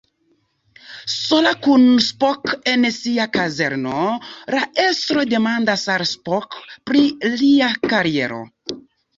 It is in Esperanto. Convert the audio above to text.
Sola kun Spock en sia kazerno, la estro demandas al Spock pri lia kariero.